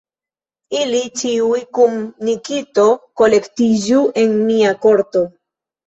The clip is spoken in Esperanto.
Ili ĉiuj kun Nikito kolektiĝu en mia korto.